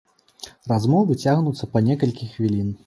Размовы цягнуцца па некалькі хвілін.